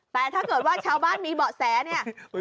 แต่ถ้าเกิดว่าชาวบ้านมีเบาะแสเนี่ย